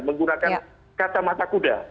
menggunakan kata mata kuda